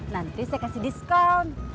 nanti saya kasih diskon